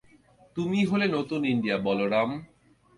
তুমিই হলে নতুন ইন্ডিয়া, বলরাম।